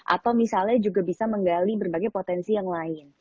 atau misalnya juga bisa menggali berbagai potensi yang lain